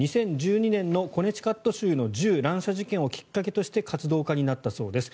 ２０１２年のコネティカット州の銃乱射事件をきっかけとして活動家になったそうです。